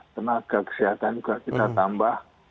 tenaga kesehatan juga kita tambah